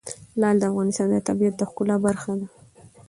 لعل د افغانستان د طبیعت د ښکلا برخه ده.